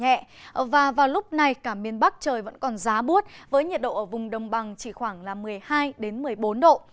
hôm nay cả miền bắc trời vẫn còn giá buốt với nhiệt độ ở vùng đồng bằng chỉ khoảng một mươi hai một mươi bốn độ